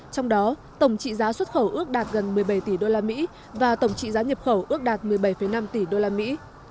trong đó tổng trị giá xuất khẩu ước đạt gần một mươi bảy tỷ đô la mỹ và tổng trị giá nhập khẩu ước đạt một mươi bảy năm tỷ đô la mỹ